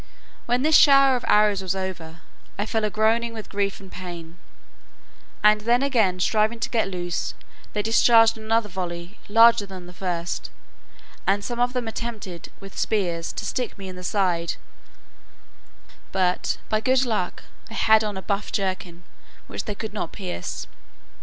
When this shower of arrows was over, I fell a groaning with grief and pain; and then striving again to get loose, they discharged another volley larger than the first, and some of them attempted with spears to stick me in the sides; but by good luck I had on a buff jerkin, which they could not pierce.